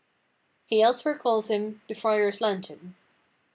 He elsewhere calls him "the frier's lantern."